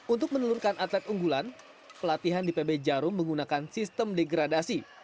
untuk menelurkan atlet unggulan pelatihan di pb jarum menggunakan sistem degradasi